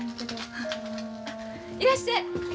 あいらっしゃい。